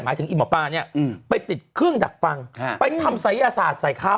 ถึงอีหมอปลาเนี่ยไปติดเครื่องดักฟังไปทำศัยศาสตร์ใส่ข้าว